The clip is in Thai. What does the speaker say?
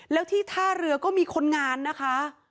แล้วที่ท่าเรือก็มีคนงานนะคะ